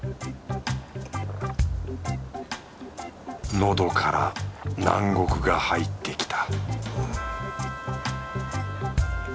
喉から南国が入ってきた